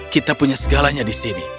kita punya segalanya di sini